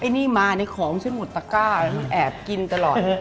อันนี้มาในของฉันหมดตะก้าอะมันกินแต่ล่ะ